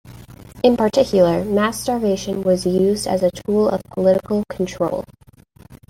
In particular, mass starvation was used as a tool of political control.